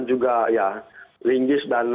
juga ya lingis dan